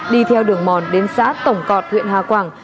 đi theo đường mòn đến xã tổng cọt huyện hà quảng